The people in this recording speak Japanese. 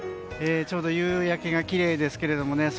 ちょうど夕焼けがきれいですけどもね。